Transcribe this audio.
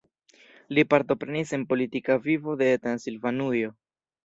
Li partoprenis en politika vivo de Transilvanujo.